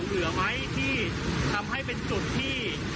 เหลือไหมที่ทำให้เป็นจุดที่